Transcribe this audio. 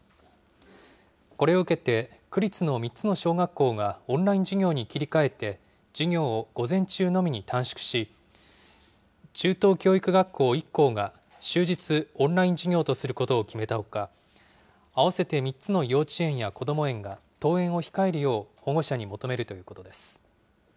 これを受けて、区立の３つの小学校がオンライン授業に切り替えて、授業を午前中のみに短縮し、中等教育学校１校が、終日オンライン授業とすることを決めたほか、合わせて３つの幼稚園やこども園が、登園を控えるよう保護者に求めるということです。